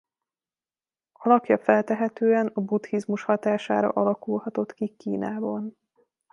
Alakja feltehetően a buddhizmus hatására alakulhatott ki Kínában.